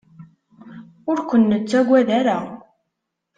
Ur ken-nettaggad ara.